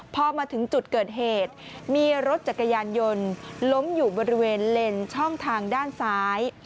พอมาถึงจุดเกิดเหตุมีรถจักรยานยนต์ล้มอยู่บริเวณเลนช่องทางด้านซ้าย